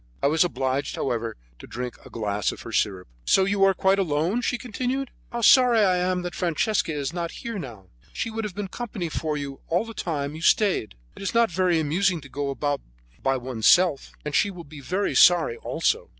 I was obliged; however, to drink a glass of her sirup. "So you are quite alone?" she continued. "How sorry I am that Francesca is not here now; she would have been company for you all the time you stayed. It is not very amusing to go about all by oneself, and she will be very sorry also."